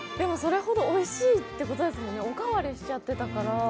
それほどおいしいということですもんね、おかわりしちゃってたから。